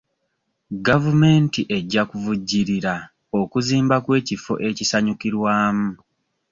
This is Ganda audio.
Gavumenti ejja kuvujjirira okuzimba kw'ekifo ekisanyukirwamu.